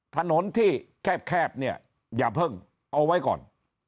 ถนนที่แคบเนี่ยอย่าเพิ่งเอาไว้ก่อน